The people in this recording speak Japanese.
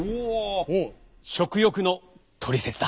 「食欲のトリセツ」だ。